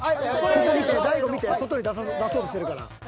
［ここ見て大悟見て外に出そうとしてるから］